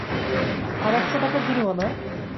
আর এক-শো টাকার জরিমানা?